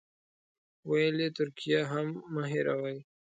ویل یې ترکیه هم مه هېروئ.